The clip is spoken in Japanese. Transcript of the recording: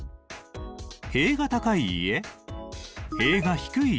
塀が低い家？